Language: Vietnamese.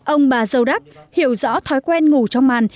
ông bà dâu đắc hiểu rõ thói quen ngủ trong màn